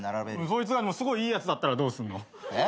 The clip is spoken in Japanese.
そいつがすごいいいやつだったらどうすんの？